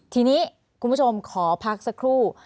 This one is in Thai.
ทีนี้คุณผู้ชมขอพักสักครู่